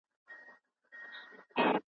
چیرته کولای سو پاسپورت په سمه توګه مدیریت کړو؟